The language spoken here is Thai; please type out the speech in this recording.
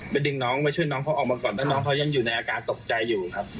ดึงน้องไปช่วยน้องเขาออกมาก่อนแล้วน้องเขายังอยู่ในอาการตกใจอยู่ครับ